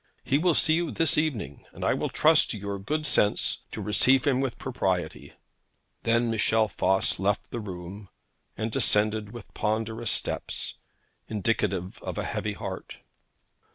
He will see you this evening, and I will trust to your good sense to receive him with propriety.' Then Michel Voss left the room and descended with ponderous steps, indicative of a heavy heart.